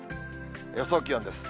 予想気温です。